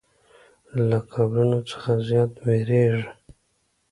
له قبرونو څخه زیات ویریږي.